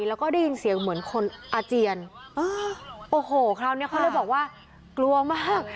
แล้วก็ได้ยินเสียงเหมือนคนอาเจียนโอ้โหคราวนี้เขาเลยบอกว่ากลัวมาก